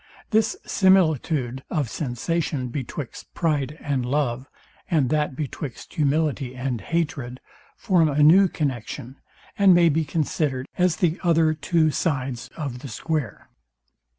This similitude of sensation betwixt pride and love, and that betwixt humility and hatred form a new connexion, and may be considered as the other two sides of the square.